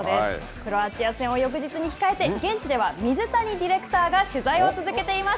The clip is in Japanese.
クロアチア戦を翌日に控えて現地では、水谷ディレクターが取材を続けています。